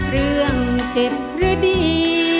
เรื่องเจ็บหรือดี